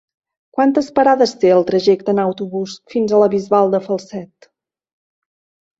Quantes parades té el trajecte en autobús fins a la Bisbal de Falset?